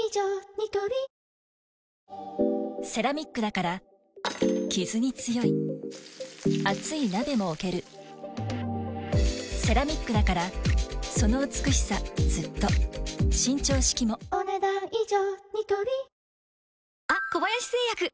ニトリセラミックだからキズに強い熱い鍋も置けるセラミックだからその美しさずっと伸長式もお、ねだん以上。